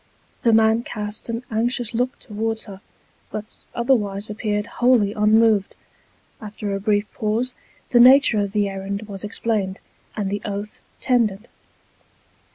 The man cast an anxious look towards her, but otherwise appeared wholly unmoved. After a brief pause the nature of the errand was explained, and the oath tendered.